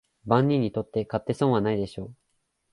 万人にとって買って損はないでしょう